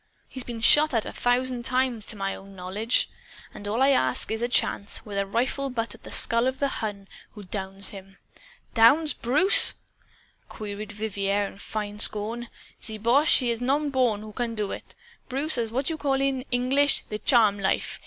He's been shot at, a thousand times, to my own knowledge. And all I ask is a chance, with a rifle butt, at the skull of the Hun who downs him!" "Downs Bruce?" queried Vivier in fine scorn. "The boche he is no borned who can do it. Bruce has what you call it, in Ainglish, the 'charm life.'